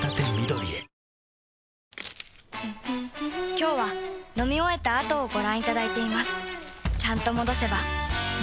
今日は飲み終えた後をご覧いただいていますちゃんと戻せばまた会えるから